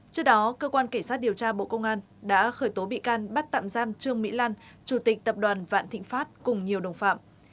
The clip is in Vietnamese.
trước đó cơ quan kể sát điều tra bộ công an đã khởi tố bị can bắt tạm giam trương mỹ lan chủ tịch tập đoàn vạn thịnh pháp cùng nhiều đồng phạm